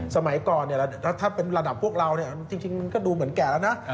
สมัยก่อนถ้าเป็นระดับพวกเราจริงมันก็ดูเหมือนแก่แล้วนะ